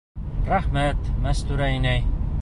Рәхмәт, Мәстүрә инәй!